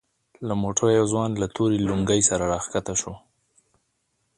له موټره يو ځوان له تورې لونگۍ سره راکښته سو.